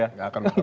gak akan pernah